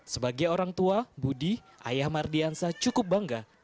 sebagai orang tua budi ayah mardiansah cukup bangga